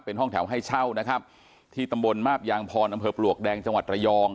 เป็นห้องแถวให้เช่านะครับที่ตำบลมาบยางพรอำเภอปลวกแดงจังหวัดระยอง